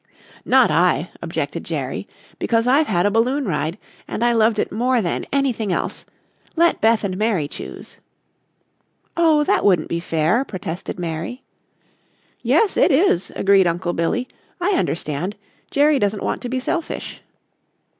"Not I," objected Jerry, "because I've had a balloon ride and I loved it more than anything else. Let Beth and Mary choose." "Oh, that wouldn't be fair," protested Mary. "Yes, it is," agreed Uncle Billy. "I understand. Jerry doesn't want to be selfish."